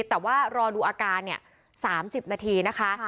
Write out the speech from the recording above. แต่ว่ารอดูอาการ๓๐นาทีนะคะ